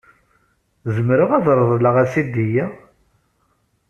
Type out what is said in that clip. Zemreɣ ad reḍleɣ asidi-a?